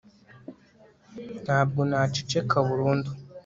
ntabwo naceceka burundu